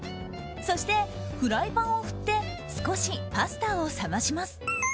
そして、フライパンを振って少しパスタを冷まします。